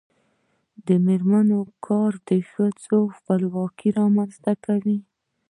د میرمنو کار د ښځو خپلواکي رامنځته کوي.